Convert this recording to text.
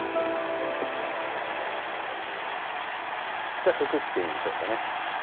じゃあ服着てみましょうかね。